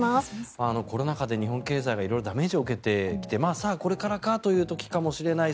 コロナ禍で日本経済が色々ダメージを受けてきてさあ、これからかという時かもしれない。